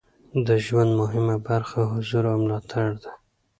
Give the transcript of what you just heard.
د ژوند مهمه برخه حضور او ملاتړ دی.